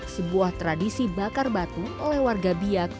sebuah tradisi bakar batu oleh warga biak